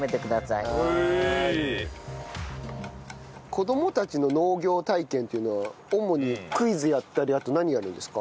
子供たちの農業体験っていうのは主にクイズやったりあと何やるんですか？